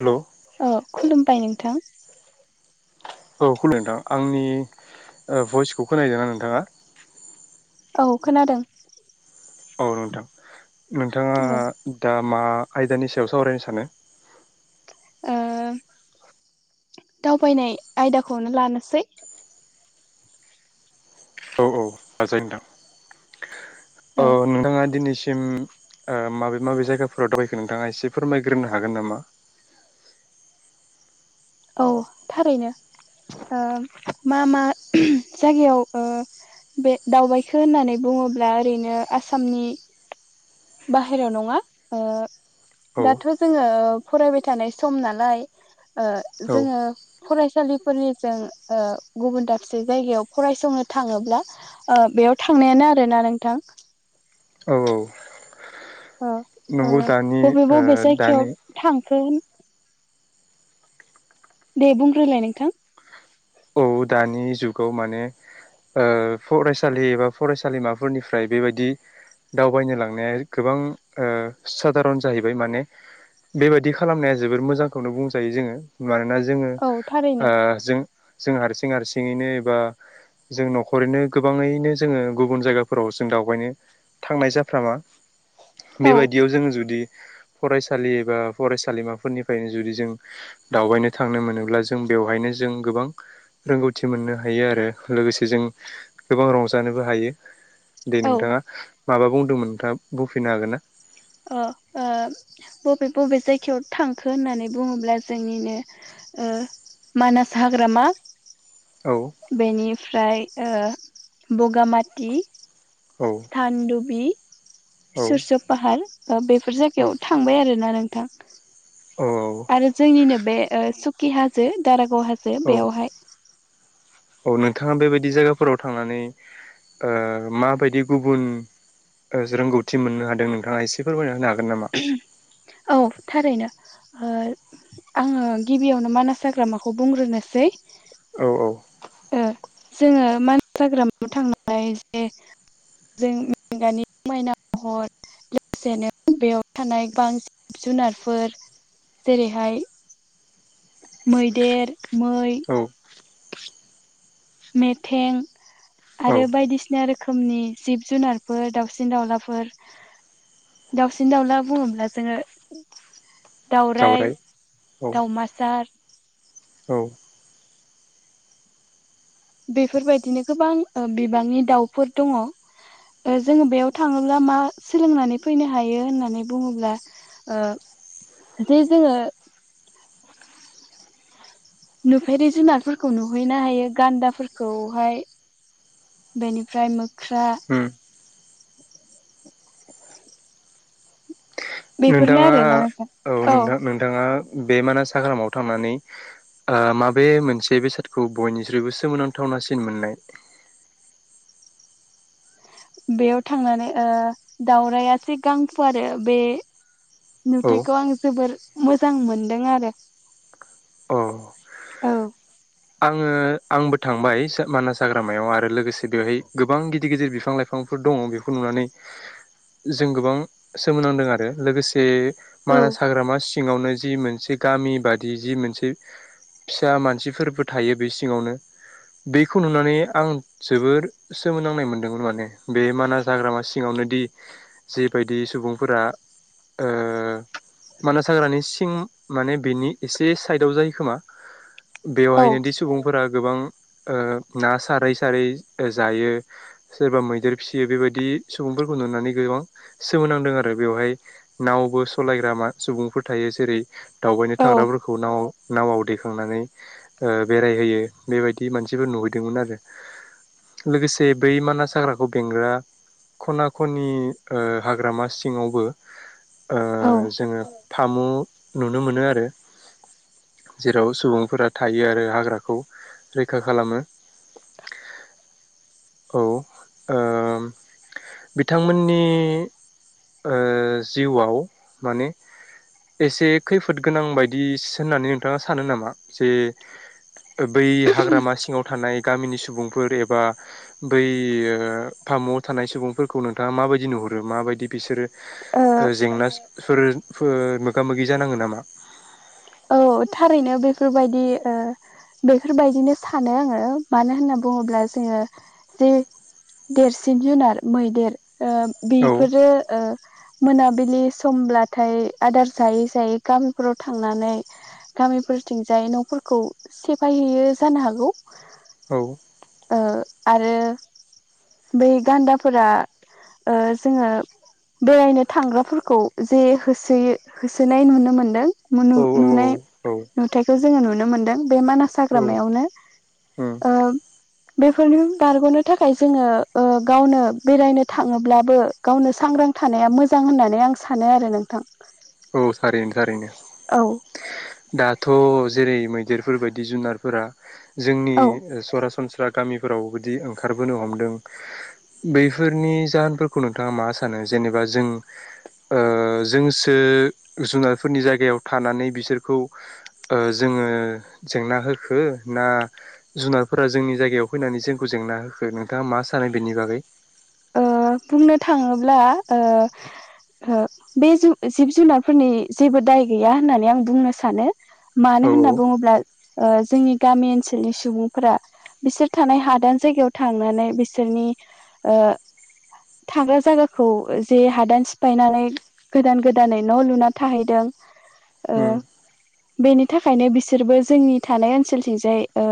Hello ओ खुलुमबाय नोंथां औ [unintelligible] नोंथां आंनि ओ भइसखौ खोनाहैदों ना नोंथाङा? औ खोनादों औ नोंथां नोंथाङा औ ओ दा मा आयदानि सायाव सावरायनो सानो ओ दावबायनाय आयदाखौनो लानोसै [unintelligible] लाजायो नोंथां ओ औ नोंथाङा दिनैसिम ओ माबे माबे जायगाफोराव दाबायखो नोंथाङा एसे फोरमायग्रोनो हागोन नामा औ थारैनो ओ मा मा जागायाव ओ बे दावबायखो होननानै बुङोब्ला ओरैनो आसामनि बाहेराव नङा ओ औ दाथ' जोङो फरायबाय थानाय सम नालाय ओ औ जोङो फरायसालिफोरनि जों ओ गुबुन दाबसे जायगायाव फरायसंनो थाङोब्ला ओ बे याव थांनायानो आरोना नोंथां औ औ ओ ओ नंगौ दानि बबे ओ बबे जायगायाव दानि थांखो होन दे बुंग्रोलाय नोंथां औ दानि जुगाव माने ओ फरायसालि एबा फरायसालिमाफोरनिफ्राय बेबायदि दावबायनो लांनाया गोबां ओ साधारन जाहैबाय माने बेबायदि खालामनाया जोबोर मोजांखौनो बुंजायो जोङो मानोना जोङो औ थारैनो ओ जों जों हारसिं हारसिङैनो एबा जों न'खरैनो गोबाङैनो जोङो गुबुन जायगाफोराव जों दावबायनो थांनाय जाफ्रामा औ बेबायदियाव जोङो जुदि फरायसालि एबा फरायसालिमाफोरनिफ्रायनो जुदि जों दावबायनो थांनो मोनोब्ला जों बेवहायनो जों गोबां रोंगौथि मोननो हायो आरो लोगोसे जों गोबां रंजानोबो हायो दे ओ नोंथाङा माबा बुंदोंमोन नोंथाङा बुंफिनो हागोन ना ओ ओ बबे बबे जायगायाव थांखो होननानै बुङोब्ला जोंनिनो ओ मानास हाग्रामा औ बेनिफ्राय ओ बगामाथि औ सानदुबि औ सुरस' पाहार बेफोर औ जायगायाव थांबाय आरो ना नों थां औ आरो जोंनिनो बे ओ सुकि हाजो दारा गाव हाजो औ बेयावहाय औ नोंथाङा बेबायदि जायगाफोराव थांनानै ओ माबायदि गुबुन ओ जे रोंगौथि मोननो हादों नोंथाङा एसे फोरमायना होनो हा औ थारैनो ओ आङो गिबियावनो मानास हाग्रामाखौ बुंग्रोनोसै औ औ ओ जोङो [unintelligible] मानास हाग्रामायाव थांनानै जे जोंगानि समायना महर लोगोसेनो बेयाव थानाय बां जिब जुनारफोर जेरैहाय मैदेर, मै औ मेथें औ आरो बायदिसि ना रोखोमनि जिब जुनारफोर दाउसिन दाउलाफोर दाउसिन दाउला बुङोब्ला जोङो दावराय, औ दावमासार औ बेफोरबायदिनो गोबां बिबांनि दाउफोर दङ। जोङो बेयाव थाङोब्ला मा सोलोंनानै फैनो हायो होननानै बुङोब्ला? ओ जे जोङो नुफेरि जुनारफोरखौ नुहैनो हायो गान्दाफोरखौहाय बेनिफ्राय मोख्रा उम बेफोरनो नोंथाङा आरोना नोंथां औ नोंथां नोंथाङा बे मानास हाग्रामाव थांनानै ओ माबे मोनसे बेसादखौ बयनिस्रुइबो सोमोनांथावनासिन मोननाय? बेयाव थांनानै ओ दाउरायआ जे गां फुवारो बे औ नुथाइखौ आं जोबोर मोजां मोनदों आरो अ औ आङो आंबो थांबाय मानास हाग्रामायाव आरो लोगोसे बेवहाय गोबां गिदिर गिदिर बिफां लाइफां फोर दङ बेखौ नुनानै जों गोबां सोमोनांदों आरो लोगोसे औ मानास हाग्रामा‌ सि ङावनो जि मोनसे गामि बादि जि मोनसे फिसा मानसिफोर थायो बे सिङावनो बेखौ नुनानै आं जोबोर सोमोनांनाय मोनदोंमोन माने बे माना जाग्रामा सिङावनो बायदि जेबायदि सुबुंफोरा ओ मानास हाग्रानि सिं माने बेनि एसे साइदाव जायोखोमा बेवहायनो औ सुबुंफोरा गोबां ओ ना सारै सारै जायो सोरबा मैदेर फिसि बे बेबायदि सुबुंफोरखौ नुनानै गोबां सोमोनांदों आरो बेवहाय नावबो सलायग्रा मा सुबुंफोर थायो जेरै दावबायनो औ थांग्राफोरखौ नाव नावआव दैखांनानै ओ बेरायहोयो बेबायदि मानसिफोर नुहैदोंमोन आरो लोगोसे बै मानास हाग्राखौ बेंग्रा खना खनि ओ हाग्रामा सिङावबो ओ जोङो फामु नुनो मोनो आरो जेराव सुबुंफोरा थायो आरो हाग्राखौ रैखा खालामो। औ-ओ बिथांमोननि ओ जिउआव माने एसे खैफोद गोनां बायदि सो होननानै नोंथाङा सानो नामा? जे [inaudible] बै हाग्रामा सिङाव थानाय गामिनि सुबुंफोर एबा बै मुवाव थानाय सुबुंफोरखौ नोंथाङा माबायदि नुहुरो माबायदि बिसोरो ओ जेंनासफोर फो मोगा मोगि जानाङो नामा? औ थारैनो बेफोरबायदि ओ बेफोरबायदिनो सानो आङो मानो होनना बुङोब्ला जोङो जे देरसिन जुनार मैदेरओ औ बेफोरो ओ मोनाबिलि समब्लाथाय आदार जायै जायै गामिफोराव थांनानै गामिफोरथिंजाय न'फोरखौ सेफायहैयो जानो हागौ। औ औ आरो बै गान्दाफोरा ओ जोङो बेरायनो थांग्राफोरखौ जे होसोयो होसोनाय नुनो मोनदों मोनु औ नुनाय औ नुथायाइखौ जोङो नुनो मोनदों बे मानास हाग्रामायावनो ओ बेफोरनि बारग'नो थाखाय जोङो ओ गावनो बेरायनो थाङोब्लाबो गावनो सांग्रां थानाया मोजां होननानै आं सानो आरो नोंथां। औ थारैनो थारैनो। औ दाथ' जेरै मैदेरफोरबायदि जुनारफोरा जोंनि औ सरासनस्रा गामिफोराव बिदि ओंखारबोनो हमदों बैफोरनि जाहोनफोरखौ नोंथाङा मा सानो जों जेनेबा जों ओ जोंसो जुनारफोरनि जायगायाव थानानै बिसोरखौ ओ जोङो जेंना होखो ना जुनारफोरा जोंनि जायगायाव फैनानै जोंखौ जेंना होखो नोंथाङा मा सानो बेनि बागै? ओ बुंनो थाङोब्ला ओ ओ बे जु जिब जुनारफोरनि जेबो दाय गैया होननानै आं बुंनो सानो। औ मानो होनना औ बुङोब्ला ओ जोंनि गामि ओनसोलनि सुबुंफोरा बिसोर थानाय हादान जायगायाव थांनानै बिसोरनि ओ थाग्रा जागाखौ जे हादान सिफायनानै गोदान गोदानै न लुना थाहैदों। ओ उम बेनि थाखायनो बिसोरबो जोंनि थानाय ओनसोलथिंजाय ओ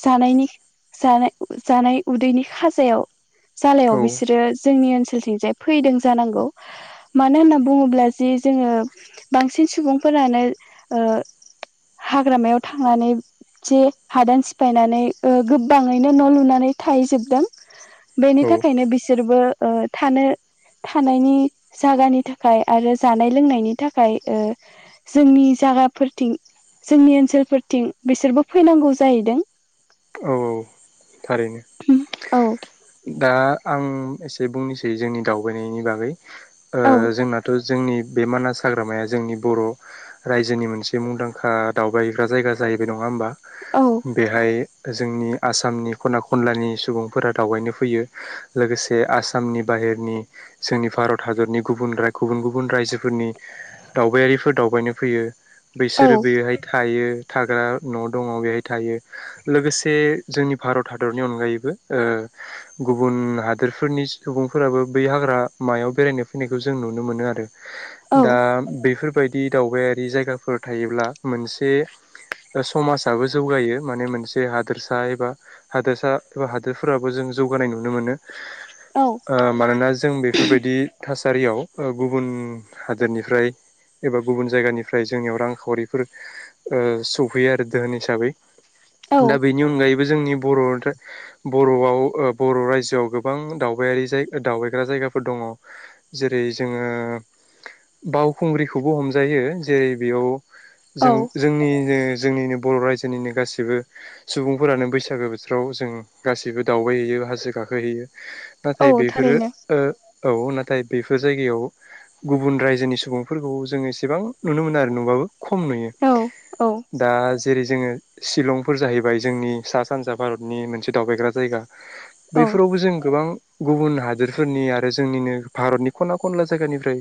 जानायनि जानाय- जानाय उदैनि खाजायाव जालायाव औ बिसोरो जोंनि ओनसोलथिंजाय फैदों जानांगौ। मानो होनना बुङोब्ला जे जोङो बांसिन सुबुंफोरानो ओ हाग्रामायाव थांनानै जे हादान सिफायनानै ओ गोबाङैनो न लुनानै थाहैजोबदों। बेनि औ थाखायनो बिसोरबो ओ थानो थानायनि जागानि थाखाय आरो जानाय लोंनायनि थाखाय ओ जोंनि जागाफोरथिं जोंनि ओनसोलफोरथिं बिसोरबो फैनांगौ जाहैदों। औ औ थारैनो। औ दा आं एसे बुंनोसै जोंनि दावबायनायनि बागै ओ औ जोंनाथ' जोंनि बे मानास हाग्रामाया जोंनि बर रायजोनि मोनसे मुंदांखा दावबायग्रा जायगा जा जाहैबाय नङा होमबा? औ बेहाय जोंनि आसामनि खना खनलानि सुबुंफोरा दावबायनो फैयो लोगोसे आसामनि बाहेरनि जोंनि भारत हादरनि गुबुन राय गुबुन गुबुन राय जोफोरनि दावबायारिफोर दावबायनो फैयो औ बैसोरो बेयोहाय थायो थाग्रा न दङ बेहाय थायो। लोगोसे जोंनि भारत हादरनि अनगायैबो ओ गुबुन हादोरफोरनि सुबुंफोराबो बै हाग्रा मायाव बेरायनो फैनायखौ जों नुनो मोनो आरो। दा बेफोरबायदि दावबायारि जायगाफोर थायोब्ला मोनसे समाजाबो जौगायो माने मोनसे हादोरसा एबा हादसा हादोरफोरा बो जों जौगानाय नुनो मोनो औ ओ मानोना जों बेफोर बायदि थासा रियाव ओ गुबुन हादोरनिफ्राय एबा गुबुन जायगानिफ्राय जोंनियाव रांखावरिफोर ओ सफैयो आरो दोहोन हिसाबै। औ दा बेनि अनगायैबो जोंनि बर- बरआव ओ बर रायजोआव गोबां दावबायारि जाय दावबायग्रा जायगाफोर दङ जेरै जोङो ओ बावखुंग्रिखौबो हमजायो जेरै बेयाव औ जों-जोंनि जे जोंनिनो बर रायजोनिनो गाैबो सुबुंफोरानो बैसागो बोथोराव जों गासिबो दावबाय हैैयो हाजो गाखोहैयो नाथाय औ बेफोरो थारैनो ओ औ नाथाय बेफोर जायगायाव गुबुन रायजोनि सुबुंफोरखौ जोङो एसेबां नुनो मोना आरो नुबाबो खम नुयो। औ औ दा जेरै जोङो शिलंफोर जाहैबाय जोंनि सा सानजा भारतनि मोनसे दावबायग्रा जायगा। औ बैफोरावबो जों गोबां गुबुन हादोरफोरनि आरो जोंनिनो भारतनि खना खनला जायगानिफ्राय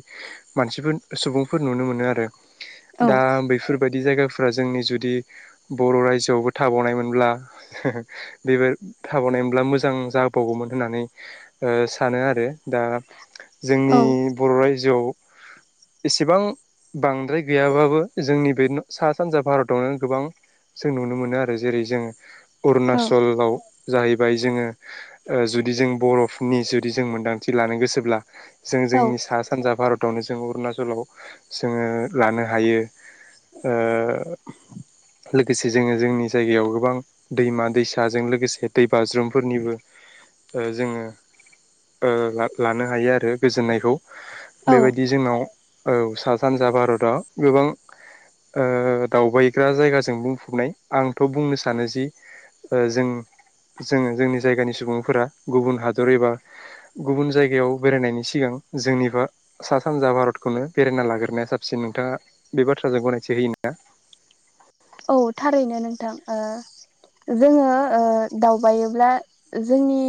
मानसिफोर सुबुं फोर नुनो मोनो आरो औ दा बेफोर बायद दि जायगाफ्रा जोंनि जुदि बर' रायजोआवबो थाबावनायमोनब्ला थाबावनाय मोनब्ला मोजां जाबावगौमोन होननानै ओ सानो आरो। दा जोंनि बर' रायजोआव [inaudible] इसेबां बांद्राय गैयाबाबो जोंनि बे सा सानजा भारतावनो गोबां। जों नुनो मोनो आरो जेरै जों औ अरुनाचलाव। जाहैबाय जोङो जुदि जों बरफनि जुदि जों मोनदांथि लानो गोसोब्ला। जों औ जोंनि सा सानजा भारतावनो जों अरुणाचलाव जोङो लानो हायो। ओं। लोगोसे जोङो जोंनि जायगायाव गोबां दैमा दैसाजों लोगोसे। दै बाज्रुमफोरनिबो जोङो। लानो हायो आरो गोजोननायखौ औ बेबायदि जोंनाव सा सानजा। भारताव गोबां। दावबायग्रा जायगाजों बुंफबनाय आंथ' बुंनो सानो जि जों। जोङो जोंनि जायगानि सुबुंफोरा गुबुन हादर एबा गुबुन जायगायाव बेरायनायनि सिगां जोंनिखौ सा सानजा भारतखौनो बेरायना लाग्रोनाया साबसिन नोंथाङा बे बाथ्राजों गनायथि होयोना। औ थारैनो नोंथां। जोङो दावबायोब्ला जोंनि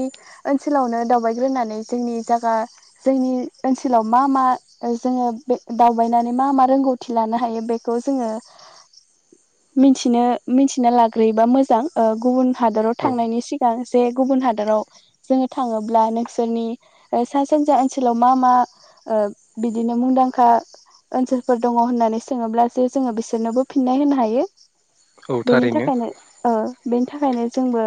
ओनसोलावनो दावबायग्रोनानै जोंनि जायगा जोंनि ओनसोलाव मा मा जोङो बे दावबायनानै मा मा थि लानो हायो बेखौ जोङो। मिथिनो मिथिना लाग्रोयोबा मोजां गुबुन हादराव औ थांनायनि सिगां। जे गुबुन हादराव जोङो थाङोब्ला नोंसोरनि सा सानजा ओनसोलाव मा मा बिदिनो मुंदांखा। ओनसोलफोर दङ होननानै सोङोब्ला जे जोङो बिसोरनोबो फिननाय होनो हायो। औ बिनि थारैनो थाखायनो ओ बेनि थाखायनो जोंबो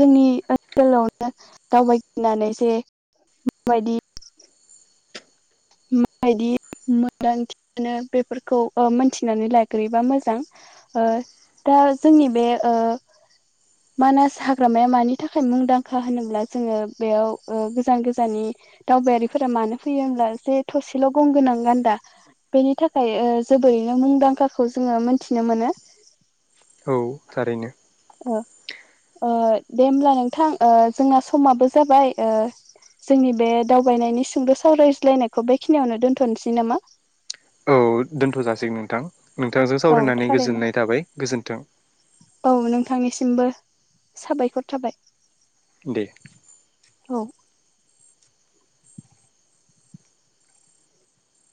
जोंनि ओनसोलावनो दावबायनानै जे बेबायदि। [inaudible] मोदांथिनो बेफोरखौ मोनथिनानै लाग्रोयोबा मोजां ओं। दा जोंनि बे मानास हाग्रामाया मानि थाखाय मुंदांखा होनोब्ला जोङो बेयाव गोजान गोजाननि दावबायारिफोरा मानो फैयो होमब्ला जे थसेल' गं गोनां गान्दा बेनि थाखाय जोबोरैनो मुंदांखाखौ जोङो मोनथिनो मोनो। औ थारैनो। ओ ओ दे होमब्ला नोंथां ओ जोंना समाबो जाबाय। ओ जोंनि बे दावबायनायनि सुंद' सावरायज्लायनायखौ बेखिनियावनो दोन्थ'नोसै नामा। औ दोन्थ' जासिगोन नोंथां नोंथांजों औ सावरायनानै थारैनो गोजोननाय थाबाय गोजोन्थों। औ नोंथांनिसिमबो साबायखर थाबाय। दे। औ।